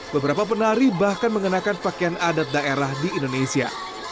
beberapa penari bahkan mengenakan pakaian adat daerah di indonesia